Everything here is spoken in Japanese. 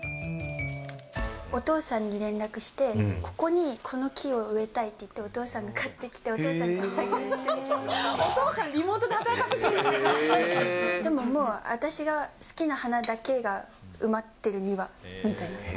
お父さんに連絡して、ここにこの木を植えたいって言って、お父さんが買ってきて、お父さんお父さん、リモートで働かせでももう、私の好きな花だけが埋まってる庭みたいな。